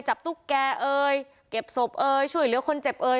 ตุ๊กแกเอ่ยเก็บศพเอ่ยช่วยเหลือคนเจ็บเอ่ย